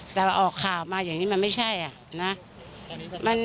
แต่ออกข่าวมาอย่างนี้มันไม่ใช่อ่ะนะ